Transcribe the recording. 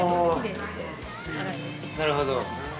◆なるほど。